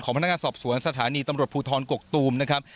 พนักงานสอบสวนสถานีตำรวจภูทรกกตูมนะครับ